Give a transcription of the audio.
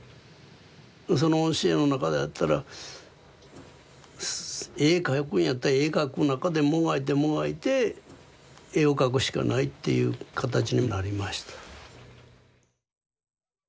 その教えの中だったら絵描くんやったら絵描く中でもがいてもがいて絵を描くしかないっていう形になりました。